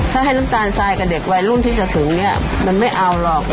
ถ้าให้น้ำตาลทรายกับเด็กวัยรุ่นที่จะถึงเนี่ยมันไม่เอาหรอก